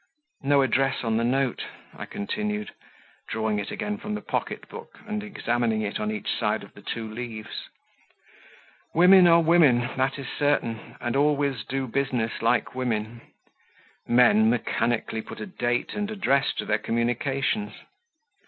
No address on the note" I continued, drawing it again from the pocket book and examining it on each side of the two leaves: "women are women, that is certain, and always do business like women; men mechanically put a date and address to their communications.